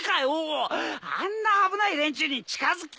あんな危ない連中に近づきたくねえよ。